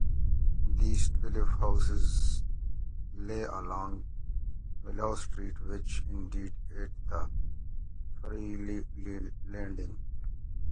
These twelve houses lay along Willow Street, which ended at the ferry landing.